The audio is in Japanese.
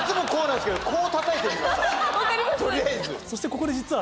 そしてここで実は。